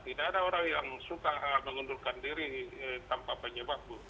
tidak ada orang yang suka mengundurkan diri tanpa penyebab bu